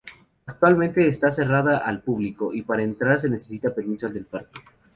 Actualmente está cerrada al público, y para entrar se necesita permiso del parque.